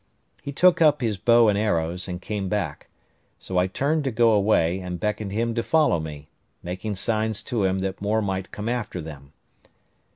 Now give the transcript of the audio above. He took up his bow and arrows, and came back; so I turned to go away, and beckoned him to follow me, making signs to him that more might come after them.